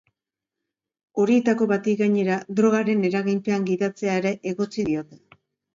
Horietako bati, gainera, drogaren eraginpean gidatzea ere egotzi diote.